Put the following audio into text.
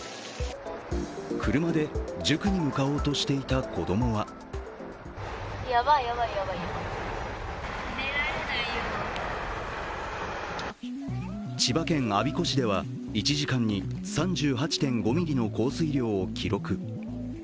車で塾に向かおうとしていた子供は千葉県我孫子市では１時間に３８．５ミリの降水量を記録。